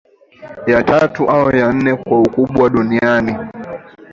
Ya tatu au ya nne kwa ukubwa duniani